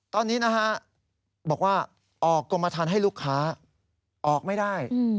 ตอนนี้นะฮะบอกว่าออกกรมฐานให้ลูกค้าออกไม่ได้